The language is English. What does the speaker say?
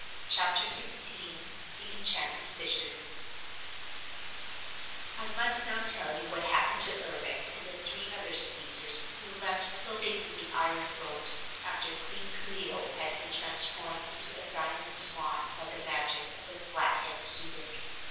Chapter Sixteen The Enchanted Fishes I must now tell you what happened to Ervic and the three other Skeezers who were left floating in the iron boat after Queen Coo ee oh had been transformed into a Diamond Swan by the magic of the Flathead Su dic.